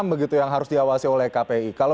begitu yang harus diawasi oleh kpi kalau